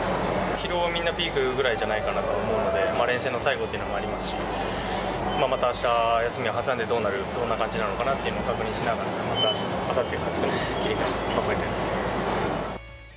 疲労はみんなピークくらいじゃないかと思うんで、連戦の最後というのもありますし、またあしたの休みを挟んでどうなる、どんな感じなのかなというのを確認しながら、またあさってからですかね、切り替えて頑張りたいと思います。